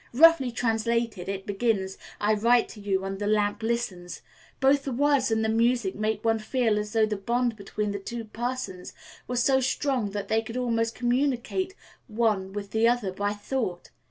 Roughly translated it begins, 'I write to you, and the lamp listens.' Both the words and the music make one feel as though the bond between the two persons was so strong that they could almost communicate one with the other by thought.